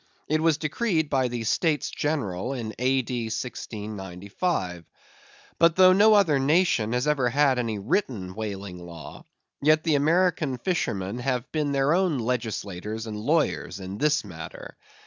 It was decreed by the States General in A.D. 1695. But though no other nation has ever had any written whaling law, yet the American fishermen have been their own legislators and lawyers in this matter.